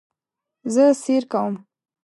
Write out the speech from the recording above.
زه سیر کوم